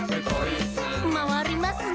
「まわりますなあ」